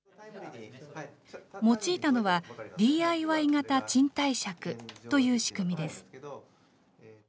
用いたのは、ＤＩＹ型賃貸借という仕組みです。